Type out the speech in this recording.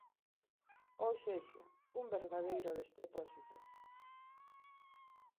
Ou sexa, un verdadeiro despropósito.